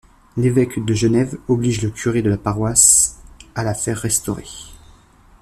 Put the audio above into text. L'évêque de Genève oblige le curé de la paroisse à la faire restaurer.